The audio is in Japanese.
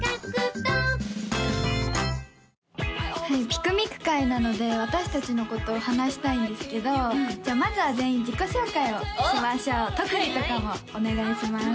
ピクミク回なので私達のことを話したいんですけどじゃあまずは全員自己紹介をしましょう特技とかもお願いします